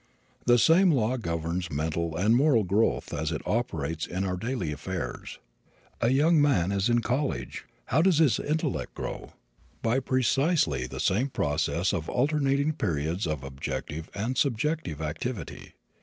The same law governs mental and moral growth as it operates in our daily affairs. A young man is in college. How does his intellect grow? By precisely the same process of alternating periods of objective and subjective activity.